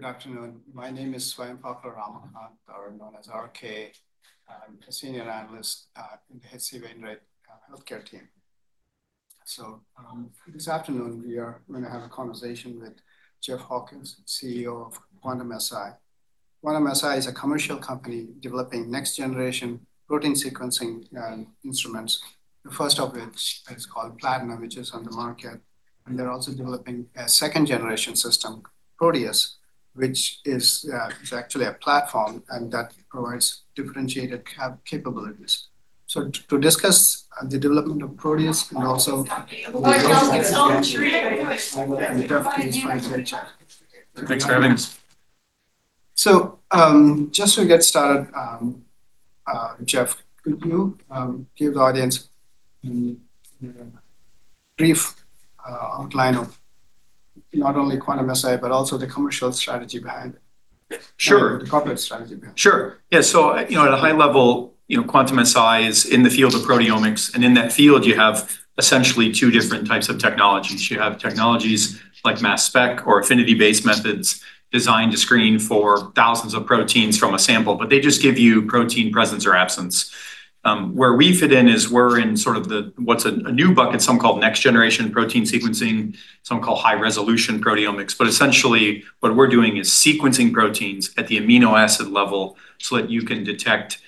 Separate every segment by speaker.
Speaker 1: Good afternoon. My name is Swayampakula Ramakanth, or known as RK. I'm a senior analyst in the H.C. Wainwright Healthcare team. This afternoon, we are gonna have a conversation with Jeff Hawkins, CEO of Quantum-Si. Quantum-Si is a commercial company developing next-generation protein sequencing instruments, the first of which is called Platinum, which is on the market. They're also developing a second-generation system, Proteus, which is actually a platform, and that provides differentiated capabilities. To discuss the development of Proteus and also.
Speaker 2: Thanks for having us.
Speaker 1: Just to get started, Jeff, could you give the audience a brief outline of not only Quantum-Si, but also the commercial strategy behind it?
Speaker 2: Sure.
Speaker 1: The corporate strategy behind it?
Speaker 2: Sure. Yeah, you know, at a high level, you know, Quantum-Si is in the field of proteomics, in that field, you have essentially two different types of technologies. You have technologies like mass spec or affinity-based methods designed to screen for thousands of proteins from a sample, they just give you protein presence or absence. Where we fit in is we're in sort of the what's a new bucket, some call next-generation protein sequencing, some call high-resolution proteomics. Essentially, what we're doing is sequencing proteins at the amino acid level so that you can detect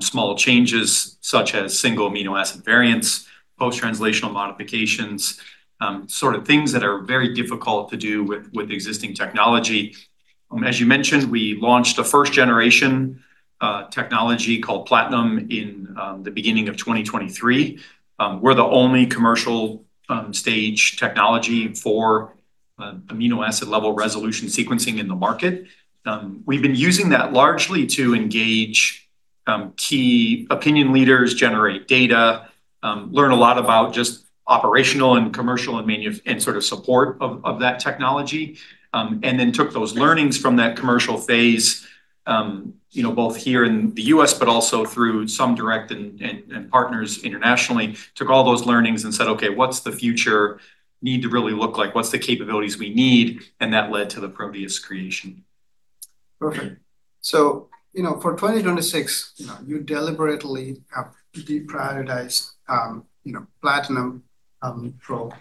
Speaker 2: small changes such as single amino acid variants, post-translational modifications, sort of things that are very difficult to do with existing technology. As you mentioned, we launched a first-generation technology called Platinum in the beginning of 2023. We're the only commercial stage technology for amino acid level resolution sequencing in the market. We've been using that largely to engage key opinion leaders, generate data, learn a lot about just operational and commercial and sort of support of that technology, and then took those learnings from that commercial phase, you know, both here in the U.S., but also through some direct and partners internationally. Took all those learnings and said, "Okay, what's the future need to really look like? What's the capabilities we need?" That led to the Proteus creation.
Speaker 1: Perfect. You know, for 2026, you know, you deliberately have deprioritized, you know, Platinum, probe,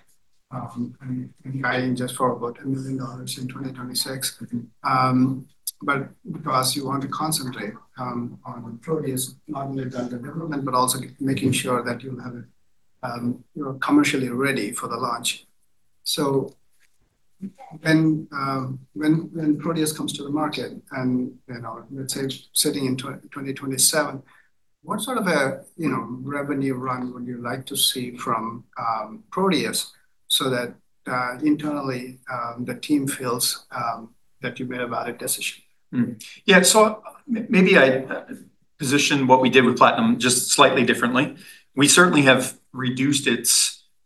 Speaker 1: and guiding just for about $1 million in 2026. Because you want to concentrate, on Proteus, not only done the development, but also making sure that you have it, you know, commercially ready for the launch. When Proteus comes to the market and, you know, let's say it's sitting in 2027, what sort of a, you know, revenue run would you like to see from, Proteus so that, internally, the team feels, that you made a valid decision?
Speaker 2: Yeah. Maybe I position what we did with Platinum just slightly differently. We certainly have reduced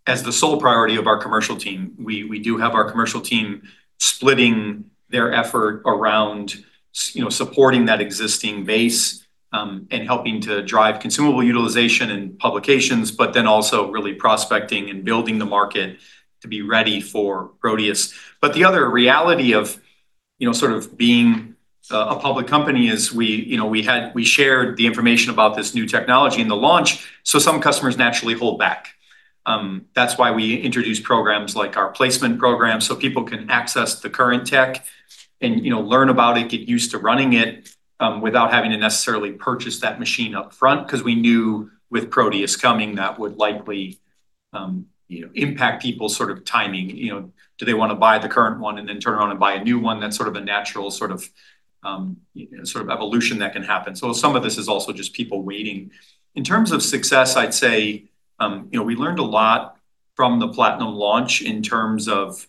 Speaker 2: as the sole priority of our commercial team. We do have our commercial team splitting their effort around you know, supporting that existing base, and helping to drive consumable utilization and publications, also really prospecting and building the market to be ready for Proteus. The other reality of, you know, sort of being a public company is we, you know, we shared the information about this new technology in the launch, some customers naturally hold back. That's why we introduced programs like our placement program, people can access the current tech and, you know, learn about it, get used to running it, without having to necessarily purchase that machine up front. 'Cause we knew with Proteus coming, that would likely, you know, impact people sort of timing. You know, do they wanna buy the current one and then turn around and buy a new one? That's sort of a natural sort of evolution that can happen. Some of this is also just people waiting. In terms of success, I'd say, you know, we learned a lot from the Platinum launch in terms of,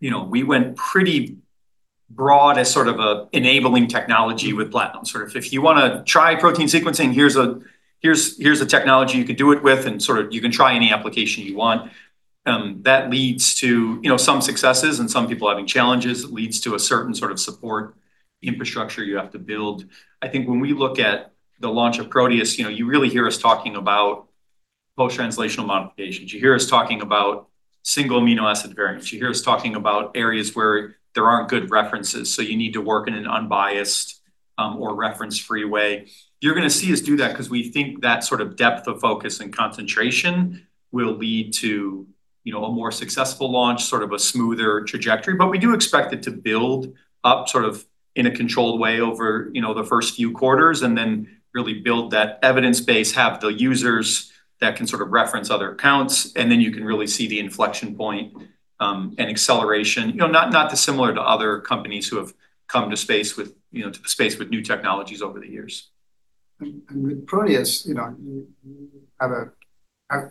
Speaker 2: you know, we went pretty broad as sort of a enabling technology with Platinum. Sort of, if you wanna try protein sequencing, here's a technology you could do it with, and sort of, you can try any application you want. That leads to, you know, some successes and some people having challenges. It leads to a certain sort of support infrastructure you have to build. I think when we look at the launch of Proteus, you know, you really hear us talking about post-translational modifications. You hear us talking about single amino acid variants. You hear us talking about areas where there aren't good references, so you need to work in an unbiased or reference-free way. You're gonna see us do that 'cause we think that sort of depth of focus and concentration will lead to, you know, a more successful launch, sort of a smoother trajectory. We do expect it to build up sort of in a controlled way over, you know, the first few quarters and then really build that evidence base, have the users that can sort of reference other accounts, and then you can really see the inflection point and acceleration. You know, not dissimilar to other companies who have come to the space with new technologies over the years.
Speaker 1: With Proteus, you know,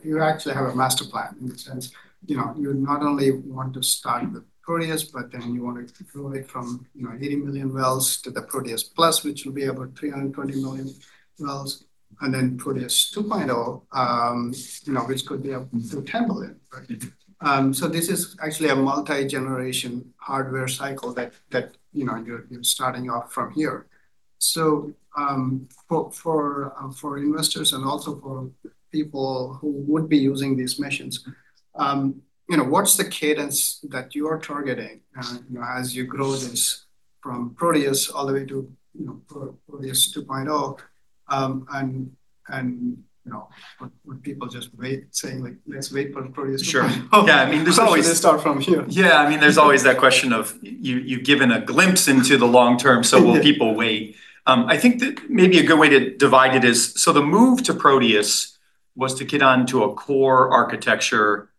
Speaker 1: you actually have a master plan in the sense, you know, you not only want to start with Proteus, you want to grow it from, you know, 80 million wells to the Proteus Plus, which will be about 320 million wells, Proteus 2.0, you know, which could be up to 10 billion, right? This is actually a multi-generation hardware cycle that, you know, you're starting off from here. For investors and also for people who would be using these machines, you know, what's the cadence that you are targeting, you know, as you grow this from Proteus all the way to, you know, Proteus 2.0, and, you know, would people just wait, saying like, "Let's wait for Proteus 2.0?
Speaker 2: Sure. Yeah, I mean.
Speaker 1: Should they start from here?
Speaker 2: Yeah, I mean, there's always that question of you've given a glimpse into the long term. Will people wait? I think that maybe a good way to divide it is, the move to Proteus was to get onto a core architecture,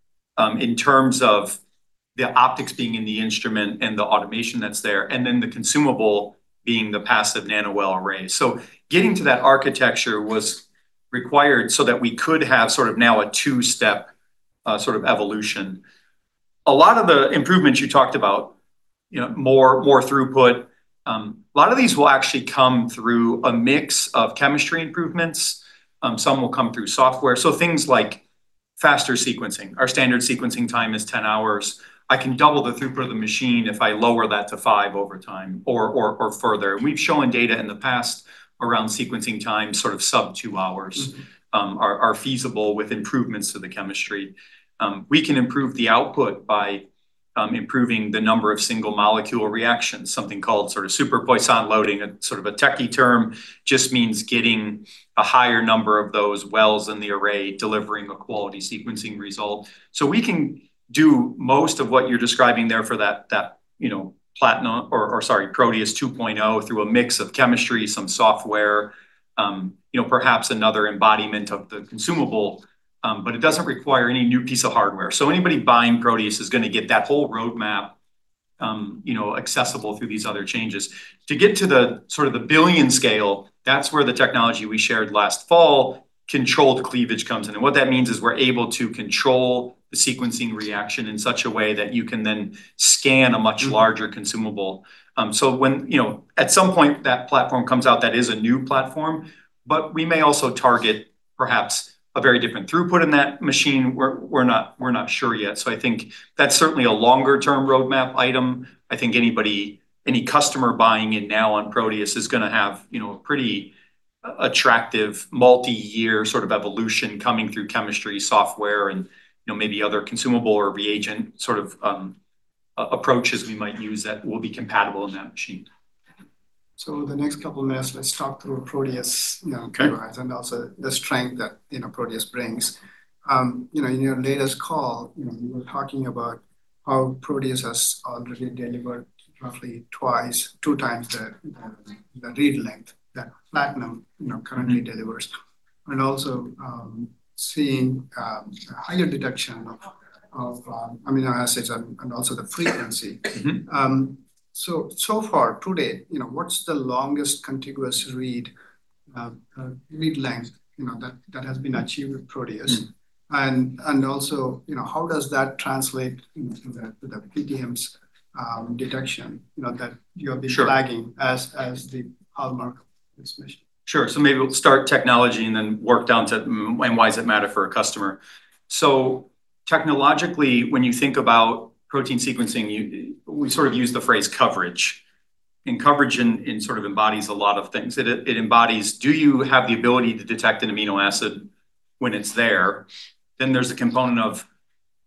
Speaker 2: in terms of the optics being in the instrument and the automation that's there, and then the consumable being the passive nanowell array. Getting to that architecture was required so that we could have sort of now a two-step sort of evolution. A lot of the improvements you talked about, you know, more throughput, a lot of these will actually come through a mix of chemistry improvements, some will come through software. Things like faster sequencing. Our standard sequencing time is 10 hours. I can double the throughput of the machine if I lower that to five over time or further. We've shown data in the past around sequencing time, sort of sub two hours are feasible with improvements to the chemistry. We can improve the output by improving the number of single molecule reactions, something called sort of super-Poissonian loading, a sort of a techie term. Means getting a higher number of those wells in the array, delivering a quality sequencing result. We can do most of what you're describing there for that, you know, Platinum or sorry, Proteus 2.0 through a mix of chemistry, some software, perhaps another embodiment of the consumable. It doesn't require any new piece of hardware. Anybody buying Proteus is gonna get that whole roadmap, you know, accessible through these other changes. To get to the sort of the billion scale, that's where the technology we shared last fall, controlled cleavage comes in. What that means is we're able to control the sequencing reaction in such a way that you can then scan a much larger consumable. When, you know, at some point that platform comes out, that is a new platform, but we may also target perhaps a very different throughput in that machine. We're not sure yet. I think that's certainly a longer term roadmap item. I think anybody, any customer buying in now on Proteus is gonna have, you know, a pretty attractive multi-year sort of evolution coming through chemistry, software and, you know, maybe other consumable or reagent sort of approaches we might use that will be compatible in that machine.
Speaker 1: The next couple of minutes, let's talk through Proteus, you know.
Speaker 2: Okay.
Speaker 1: Capabilities and also the strength that, you know, Proteus brings. you know, in your latest call, you know, you were talking about how Proteus has already delivered roughly twice, 2x the, the read length that Platinum, you know, currently delivers, seeing a higher detection of amino acids and also the frequency. So far to date, you know, what's the longest contiguous read length, you know, that has been achieved with Proteus? Also, you know, how does that translate into the PTMs detection, you know?
Speaker 2: Sure.
Speaker 1: Flagging as the hallmark of this mission?
Speaker 2: Sure. Maybe we'll start technology and then work down to and why does it matter for a customer. Technologically, when you think about protein sequencing, we sort of use the phrase coverage, and coverage sort of embodies a lot of things. It embodies, do you have the ability to detect an amino acid when it's there? There's a component of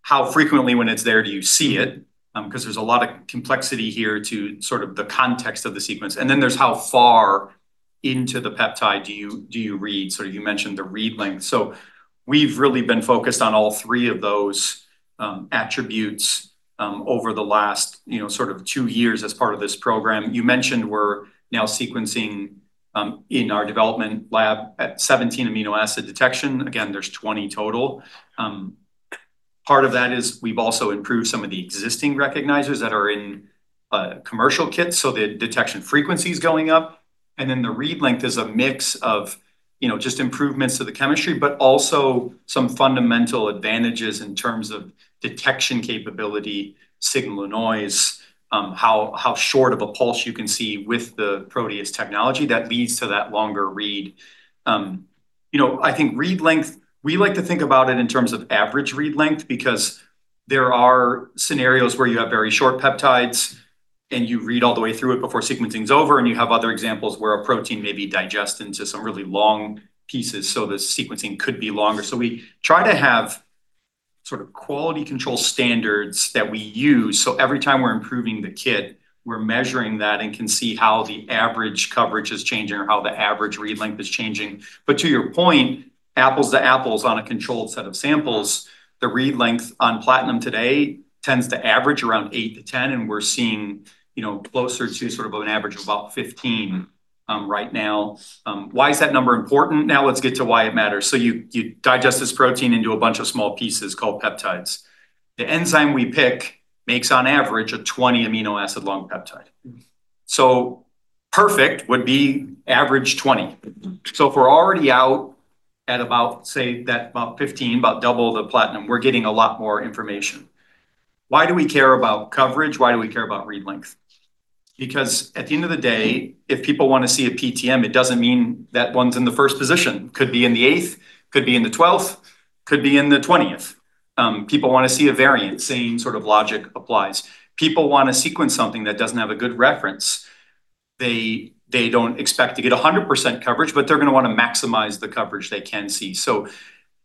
Speaker 2: how frequently when it's there do you see it? Because there's a lot of complexity here to sort of the context of the sequence. There's how far into the peptide do you read? You mentioned the read length. We've really been focused on all three of those attributes over the last, you know, sort of two years as part of this program. You mentioned we're now sequencing in our development lab at 17 amino acid detection. Again, there's 20 total. Part of that is we've also improved some of the existing recognizers that are in commercial kits, so the detection frequency is going up. The read length is a mix of, you know, just improvements to the chemistry, but also some fundamental advantages in terms of detection capability, signal-to-noise, how short of a pulse you can see with the Proteus technology that leads to that longer read. You know, I think read length, we like to think about it in terms of average read length because there are scenarios where you have very short peptides and you read all the way through it before sequencing's over, and you have other examples where a protein may be digested into some really long pieces, so the sequencing could be longer. We try to have sort of quality control standards that we use, so every time we're improving the kit, we're measuring that and can see how the average coverage is changing or how the average read length is changing. To your point, apples to apples on a controlled set of samples, the read length on Platinum today tends to average around 8-10, and we're seeing, you know, closer to sort of an average of about 15 right now. Why is that number important? Let's get to why it matters. You digest this protein into a bunch of small pieces called peptides. The enzyme we pick makes on average a 20 amino acid long peptide. Perfect would be average 20. If we're already out at about, say that, about 15, about double the Platinum, we're getting a lot more information. Why do we care about coverage? Why do we care about read length? At the end of the day, if people wanna see a PTM, it doesn't mean that one's in the first position. Could be in the eighth, could be in the 12th, could be in the 20th. People want to see a variant, same sort of logic applies. People want to sequence something that doesn't have a good reference. They don't expect to get 100% coverage, but they're gonna wanna maximize the coverage they can see.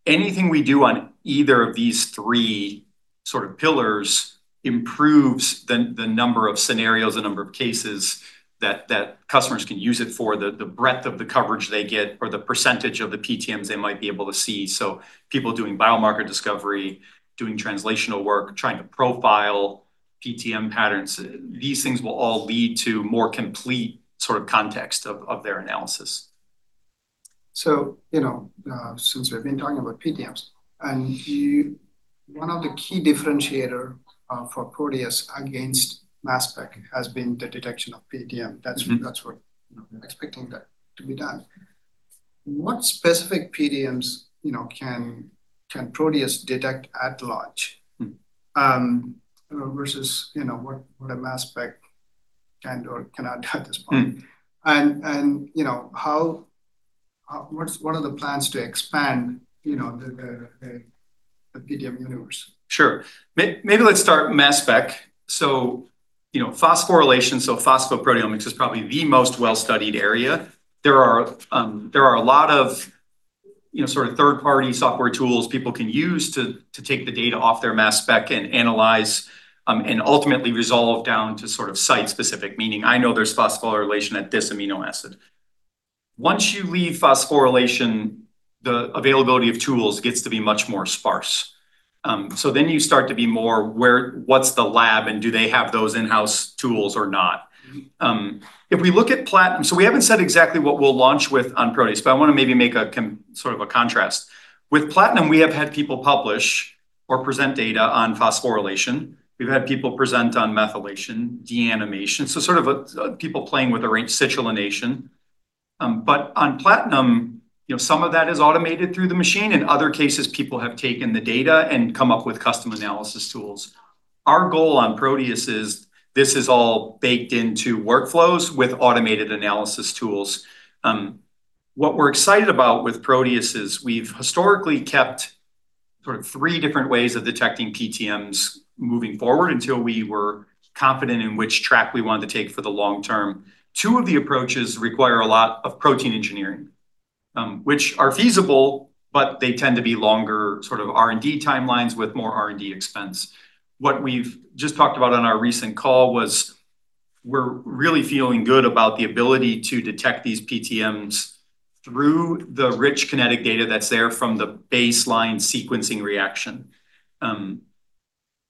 Speaker 2: Anything we do on either of these three sort of pillars improves the number of scenarios, the number of cases that customers can use it for, the breadth of the coverage they get or the percentage of the PTMs they might be able to see. People doing biomarker discovery, doing translational work, trying to profile PTM patterns, these things will all lead to more complete sort of context of their analysis, you know, since we've been talking about PTMs, and One of the key differentiator, for Proteus against mass spec has been the detection of PTM.
Speaker 1: That's what, you know, expecting that to be done. What specific PTMs, you know, can Proteus detect at large? You know, versus, you know, what a mass spec can or cannot detect at this point? You know, how, what are the plans to expand, you know, the PTM universe?
Speaker 2: Sure. Maybe let's start mass spec. You know, phosphorylation, phosphoproteomics is probably the most well-studied area. There are a lot of, you know, sort of third-party software tools people can use to take the data off their mass spec and analyze, and ultimately resolve down to sort of site-specific, meaning I know there's phosphorylation at this amino acid. Once you leave phosphorylation, the availability of tools gets to be much more sparse. Then you start to be more where, what's the lab and do they have those in-house tools or not. If we look at Platinum, we haven't said exactly what we'll launch with on Proteus, but I wanna maybe make sort of a contrast. With Platinum, we have had people publish or present data on phosphorylation. We've had people present on methylation, deamination, so sort of a people playing with a range, citrullination. On Platinum, you know, some of that is automated through the machine. In other cases, people have taken the data and come up with custom analysis tools. Our goal on Proteus is this is all baked into workflows with automated analysis tools. What we're excited about with Proteus is we've historically kept sort of three different ways of detecting PTMs moving forward until we were confident in which track we wanted to take for the long term. Two of the approaches require a lot of protein engineering, which are feasible, but they tend to be longer sort of R&D timelines with more R&D expense. What we've just talked about on our recent call was we're really feeling good about the ability to detect these PTMs through the rich kinetic data that's there from the baseline sequencing reaction.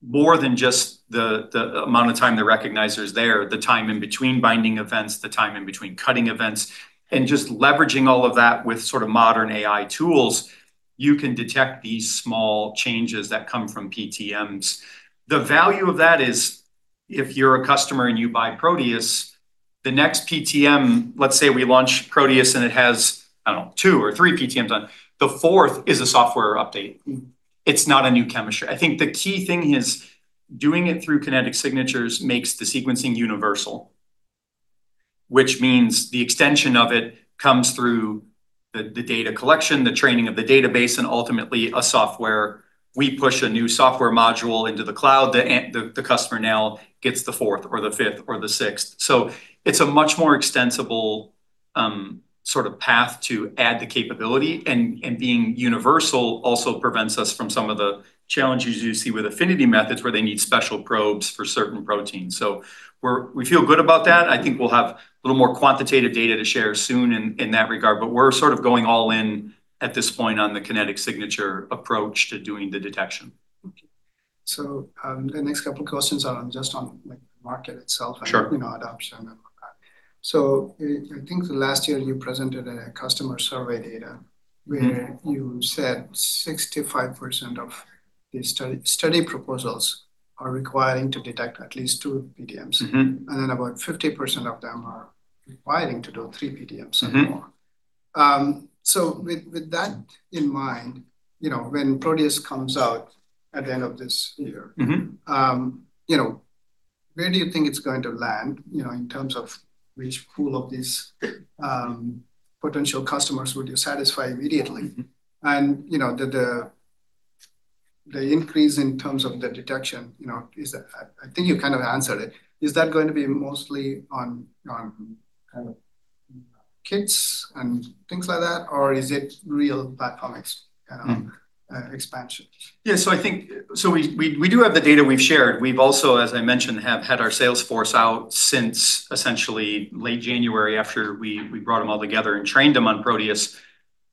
Speaker 2: More than just the amount of time the recognizer's there, the time in between binding events, the time in between cutting events, and just leveraging all of that with sort of modern AI tools, you can detect these small changes that come from PTMs. The value of that is if you're a customer and you buy Proteus, the next PTM, let's say we launch Proteus and it has, I don't know, 2 or 3 PTMs on, the fourth is a software update. It's not a new chemistry. I think the key thing is doing it through kinetic signatures makes the sequencing universal, which means the extension of it comes through the data collection, the training of the database, and ultimately a software. We push a new software module into the cloud, the customer now gets the fourth or the fifth or the sixth. It's a much more extensible sort of path to add the capability and being universal also prevents us from some of the challenges you see with affinity methods where they need special probes for certain proteins. We feel good about that. I think we'll have a little more quantitative data to share soon in that regard, but we're sort of going all in at this point on the kinetic signature approach to doing the detection.
Speaker 1: Okay. The next couple questions are on just on, like, the market itself.
Speaker 2: Sure
Speaker 1: You know, adoption and like that. I think the last year you presented a customer survey data. Where you said 65% of the study proposals are requiring to detect at least 2 PTMs. About 50% of them are requiring to do 3 PTMs or more. With that in mind, you know, when Proteus comes out at the end of this year you know, where do you think it's going to land, you know, in terms of which pool of these potential customers would you satisfy immediately? You know, the increase in terms of the detection, you know, is that I think you kind of answered it, is that going to be mostly on kind of kits and things like that or is it real proteomics expansion?
Speaker 2: Yeah. We do have the data we've shared. We've also, as I mentioned, have had our sales force out since essentially late January after we brought them all together and trained them on Proteus,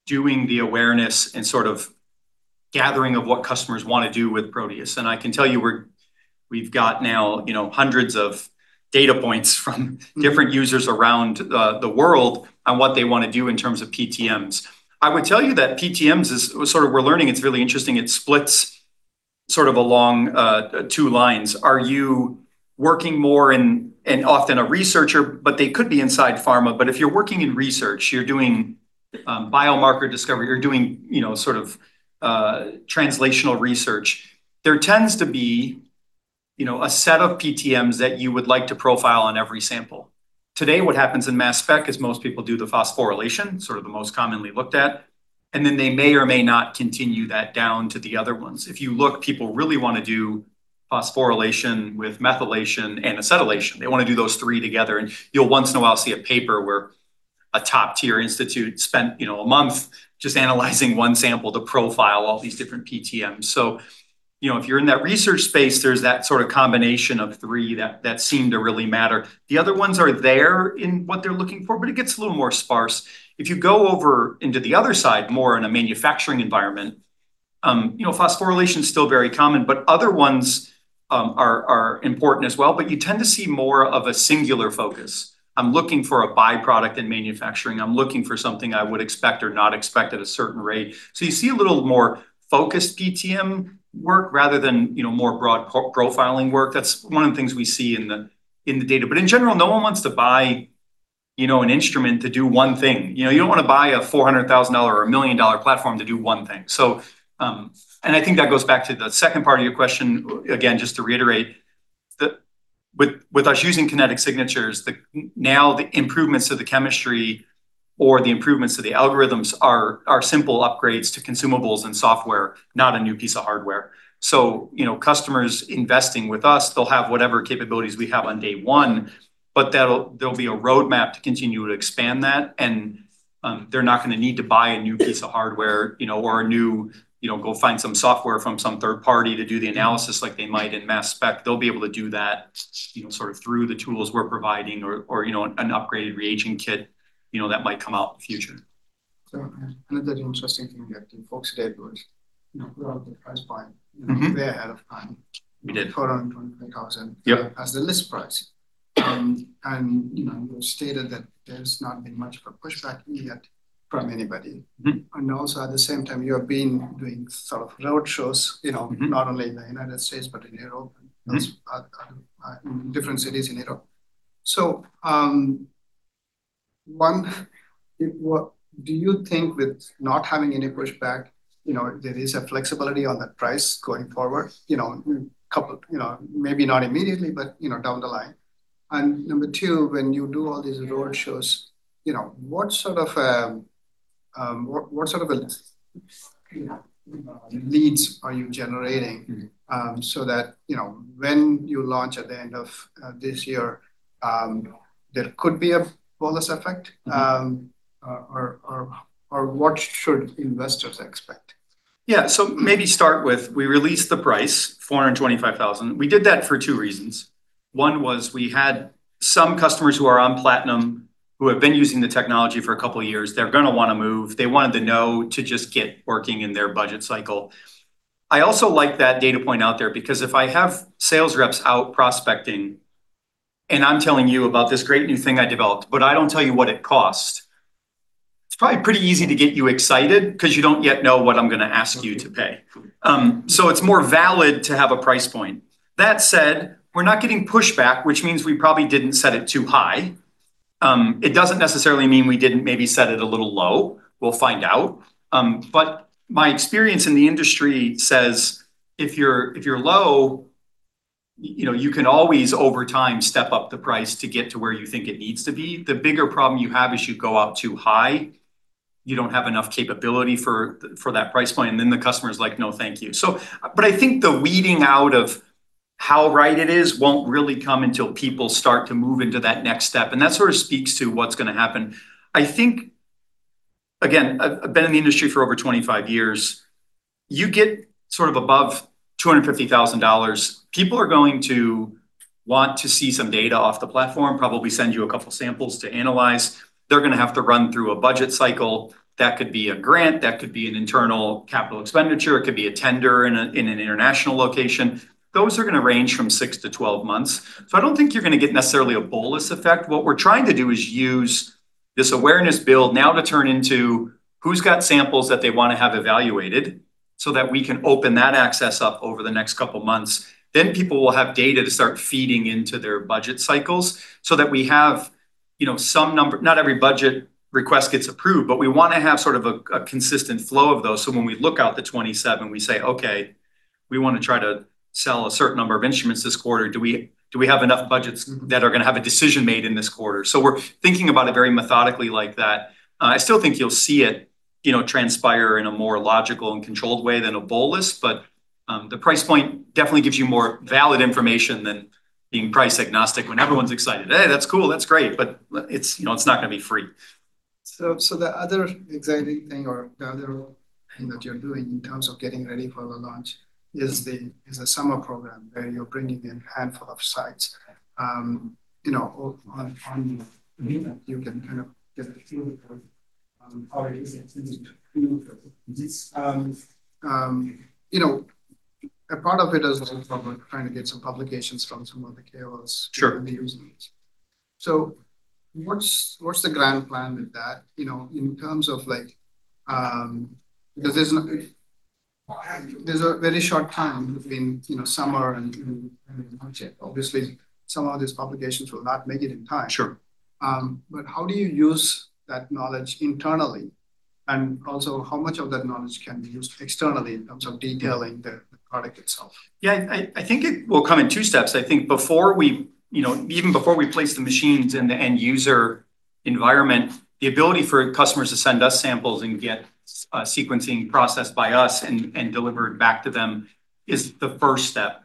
Speaker 2: doing the awareness and sort of gathering of what customers wanna do with Proteus. I can tell you we've got now, you know, hundreds of data points from different users around the world on what they wanna do in terms of PTMs. I would tell you that PTMs is, sort of we're learning, it's really interesting, it splits sort of along two lines. Are you working more in often a researcher, but they could be inside pharma, but if you're working in research, you're doing biomarker discovery, you're doing, you know, sort of translational research, there tends to be, you know, a set of PTMs that you would like to profile on every sample. Today, what happens in mass spec is most people do the phosphorylation, sort of the most commonly looked at, and then they may or may not continue that down to the other ones. If you look, people really wanna do phosphorylation with methylation and acetylation. They wanna do those three together, and you'll once in a while see a paper where a top-tier institute spent, you know, a month just analyzing one sample to profile all these different PTMs. You know, if you're in that research space, there's that sort of combination of three that seem to really matter. The other ones are there in what they're looking for, it gets a little more sparse. If you go over into the other side, more in a manufacturing environment, you know, phosphorylation's still very common, but other ones are important as well. You tend to see more of a singular focus. I'm looking for a byproduct in manufacturing. I'm looking for something I would expect or not expect at a certain rate. You see a little more focused PTM work rather than, you know, more broad profiling work. That's one of the things we see in the data. In general, no one wants to buy, you know, an instrument to do one thing. You know, you don't wanna buy a $400,000 or a $1 million platform to do one thing. I think that goes back to the second part of your question. Again, just to reiterate, with us using kinetic signatures, now the improvements to the chemistry or the improvements to the algorithms are simple upgrades to consumables and software, not a new piece of hardware. You know, customers investing with us, they'll have whatever capabilities we have on day one, but there'll be a roadmap to continue to expand that and they're not gonna need to buy a new piece of hardware, you know, or go find some software from some third party to do the analysis like they might in mass spec. They'll be able to do that sort of through the tools we're providing or, you know, an upgraded reagent kit, you know, that might come out in the future.
Speaker 1: Another interesting thing that in Investor and Analyst Day was, you know, put out the price point- way ahead of time.
Speaker 2: We did.
Speaker 1: 423,000-
Speaker 2: Yep.
Speaker 1: As the list price. You know, you stated that there's not been much of a pushback yet from anybody. Also at the same time you have been doing sort of road shows, you know, not only in the United States, but in Europe other different cities in Europe. One, what do you think with not having any pushback, you know, there is a flexibility on the price going forward? You know, couple, you know, maybe not immediately, but, you know, down the line. Number two, when you do all these roadshows, you know, what sort of leads are you generating. That, you know, when you launch at the end of this year, there could be a bonus effect, or what should investors expect?
Speaker 2: Maybe start with we released the price, $425,000. We did that for two reasons. One was we had some customers who are on Platinum who have been using the technology for a couple of years. They're gonna wanna move. They wanted to know to just get working in their budget cycle. I also like that data point out there because if I have sales reps out prospecting, and I'm telling you about this great new thing I developed, but I don't tell you what it costs, it's probably pretty easy to get you excited 'cause you don't yet know what I'm gonna ask you to pay. It's more valid to have a price point. That said, we're not getting pushback, which means we probably didn't set it too high. It doesn't necessarily mean we didn't maybe set it a little low. We'll find out. My experience in the industry says if you're, if you're low, you know, you can always over time step up the price to get to where you think it needs to be. The bigger problem you have is you go up too high, you don't have enough capability for that price point, and then the customer's like, "No, thank you." I think the weeding out of how right it is won't really come until people start to move into that next step, and that sort of speaks to what's gonna happen. I think, again, I've been in the industry for over 25 years. You get sort of above $250,000, people are going to want to see some data off the platform, probably send you a couple samples to analyze. They're gonna have to run through a budget cycle. That could be a grant, that could be an internal capital expenditure. It could be a tender in an international location. Those are gonna range from 6-12 months. I don't think you're gonna get necessarily a bolus effect. What we're trying to do is use this awareness build now to turn into who's got samples that they wanna have evaluated so that we can open that access up over the next couple months. People will have data to start feeding into their budget cycles so that we have, you know, some number, not every budget request gets approved, but we wanna have sort of a consistent flow of those, so when we look out the 2027, we say, Okay, we wanna try to sell a certain number of instruments this quarter. Do we have enough budgets that are gonna have a decision made in this quarter? We're thinking about it very methodically like that. I still think you'll see it, you know, transpire in a more logical and controlled way than a bolus, but the price point definitely gives you more valid information than being price-agnostic when everyone's excited. "Hey, that's cool. That's great." It's, you know, it's not gonna be free.
Speaker 1: The other exciting thing or the other thing that you're doing in terms of getting ready for the launch is a summer program where you're bringing in a handful of sites. You know, you can kind of get a feel for how it is, you know. A part of it is also trying to get some publications from some of the KOLs.
Speaker 2: Sure.
Speaker 1: Who will be using it. What's the grand plan with that? You know, in terms of like, because there's a very short time between, you know, summer and launch day. Obviously, some of these publications will not make it in time.
Speaker 2: Sure.
Speaker 1: How do you use that knowledge internally? How much of that knowledge can be used externally in terms of detailing the product itself?
Speaker 2: I think it will come in two steps. I think before we, you know, even before we place the machines in the end user environment, the ability for customers to send us samples and get sequencing processed by us and delivered back to them is the first step.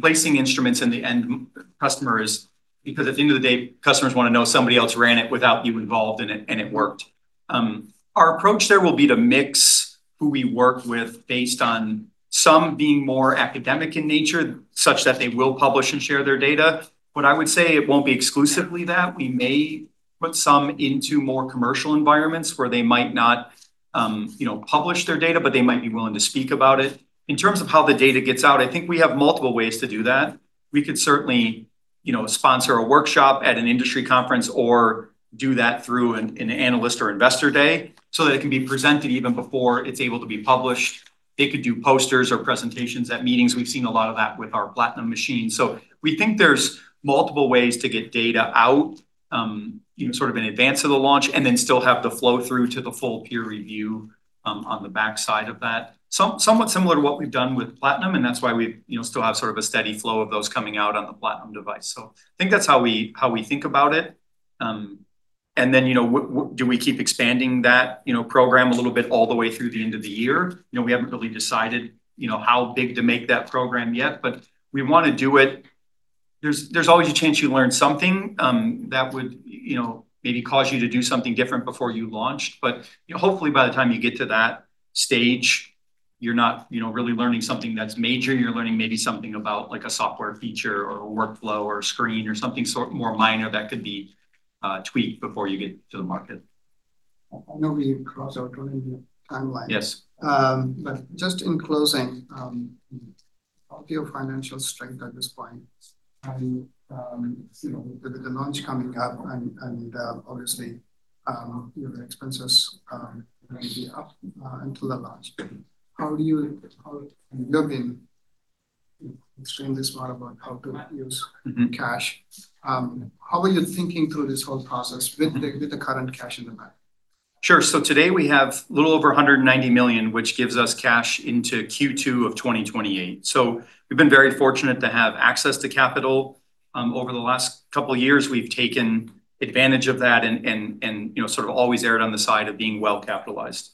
Speaker 2: Placing instruments in the end customer is because at the end of the day, customers wanna know somebody else ran it without you involved, and it worked. Our approach there will be to mix who we work with based on some being more academic in nature, such that they will publish and share their data. What I would say, it won't be exclusively that. We may put some into more commercial environments where they might not, you know, publish their data, but they might be willing to speak about it. In terms of how the data gets out, I think we have multiple ways to do that. We could certainly, you know, sponsor a workshop at an industry conference or do that through an analyst or investor day, so that it can be presented even before it's able to be published. They could do posters or presentations at meetings. We've seen a lot of that with our Platinum machine. We think there's multiple ways to get data out, you know, sort of in advance of the launch, and then still have the flow through to the full peer review, on the backside of that. Somewhat similar to what we've done with Platinum, and that's why we, you know, still have sort of a steady flow of those coming out on the Platinum device. I think that's how we, how we think about it. Then, you know, do we keep expanding that, you know, program a little bit all the way through the end of the year? You know, we haven't really decided, you know, how big to make that program yet, but we wanna do it. There's always a chance you learn something, that would, you know, maybe cause you to do something different before you launched. You know, hopefully by the time you get to that stage, you're not, you know, really learning something that's major. You're learning maybe something about, like, a software feature or a workflow or a screen or something sort more minor that could be tweaked before you get to the market.
Speaker 1: I know we crossed our timeline.
Speaker 2: Yes.
Speaker 1: Just in closing, with your financial strength at this point and, you know, with the launch coming up and obviously, your expenses, may be up, until the launch, how do you? You've been extremely smart about how to use cash. How are you thinking through this whole process with the current cash in the bank?
Speaker 2: Sure. Today, we have a little over $190 million, which gives us cash into Q2 of 2028. Over the last couple years, we've taken advantage of that and, you know, sort of always erred on the side of being well-capitalized.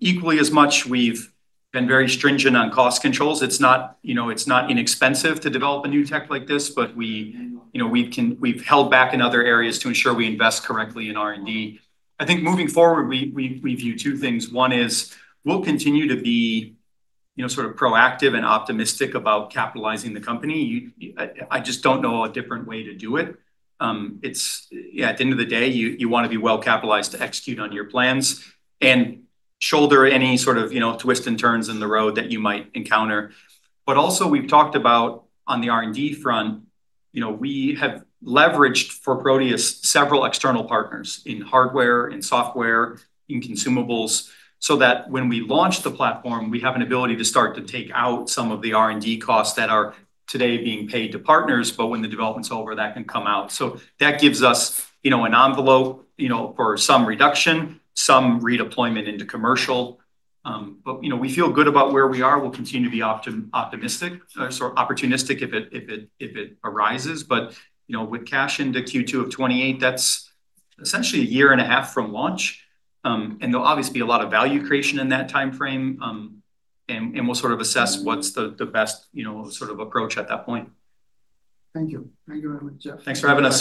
Speaker 2: Equally as much, we've been very stringent on cost controls. It's not, you know, it's not inexpensive to develop a new tech like this you know, we've held back in other areas to ensure we invest correctly in R&D. I think moving forward, we view two things. One is we'll continue to be, you know, sort of proactive and optimistic about capitalizing the company. I just don't know a different way to do it. Yeah, at the end of the day, you wanna be well-capitalized to execute on your plans and shoulder any sort of, you know, twist and turns in the road that you might encounter. Also, we've talked about on the R&D front, you know, we have leveraged for Proteus several external partners in hardware, in software, in consumables, so that when we launch the platform, we have an ability to start to take out some of the R&D costs that are today being paid to partners, but when the development's over, that can come out. That gives us, you know, an envelope, you know, for some reduction, some redeployment into commercial. You know, we feel good about where we are. We'll continue to be optimistic, opportunistic if it, if it, if it arises. You know, with cash into Q2 of 2028, that's essentially 1.5 years from launch. There'll obviously be a lot of value creation in that timeframe. We'll sort of assess what's the best, you know, sort of approach at that point.
Speaker 1: Thank you. Thank you very much, Jeff.
Speaker 2: Thanks for having us.